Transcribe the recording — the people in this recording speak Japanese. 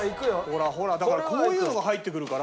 ほらほらだからこういうのが入ってくるから。